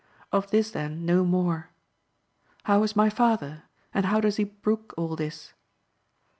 Of this, then, no more ; how is my father ? and how does he brook all this?